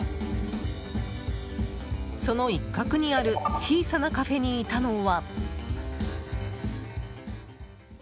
その一角にある小さなカフェにいたのは。